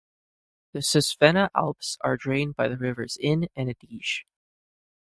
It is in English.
The Sesvenna Alps are drained by the rivers Inn and Adige.